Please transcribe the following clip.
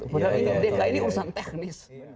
padahal ini dki ini urusan teknis